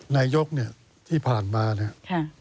ในยกที่ผ่านมานี่ค่ะ